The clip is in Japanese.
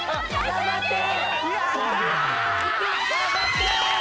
頑張って！